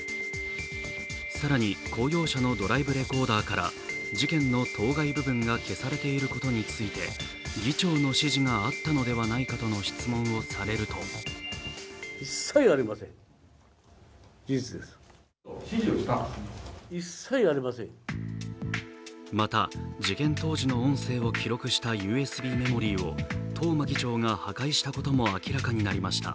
更に、公用車のドライブレコーダーから、事件の当該部分が消されていることについて議長の指示があったのではないかとの質問をされるとまた、事件当時の音声を記録したＵＳＢメモリーを東間議長が破壊したことも明らかになりました。